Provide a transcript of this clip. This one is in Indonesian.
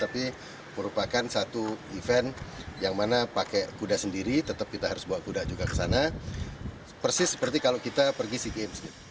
tapi merupakan satu event yang mana pakai kuda sendiri tetap kita harus bawa kuda juga ke sana persis seperti kalau kita pergi sea games